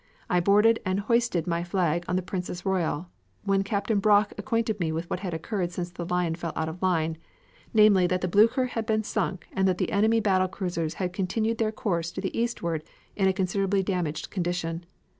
I boarded and hoisted my flag on the Princess Royal, when Captain Brock acquainted me with what had occurred since the Lion fell out of line, namely, that the Blucher had been sunk and that the enemy battle cruisers had continued their course to the eastward in a considerably damaged condition.